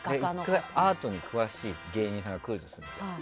アートに詳しい芸人さんが来るとするじゃん。